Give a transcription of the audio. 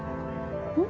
うん？